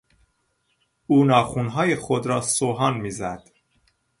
او ناخنهای خود را سوهان میزد.